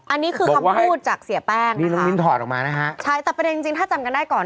อันนี้คือคำพูดจากเสียแป้งนะคะใช่แต่ประเด็นจริงถ้าจำกันได้ก่อน